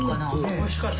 おいしかった。